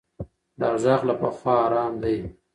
دا غږ له پخوا ارام دی.